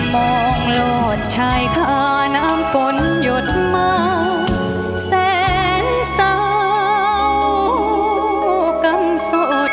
มองหลอดชายค่าน้ำฝนหยดเมาแสนสาวกันสด